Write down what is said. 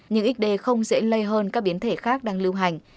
nhưng xd không dễ lây hơn các biến thể khác đang lưu hành